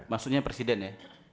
maksudnya presiden ya